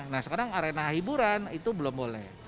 nah sekarang arena hiburan itu belum boleh